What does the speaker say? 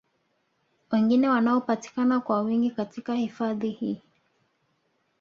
wengine wanaopatikana kwa wingi katika hifadhi hii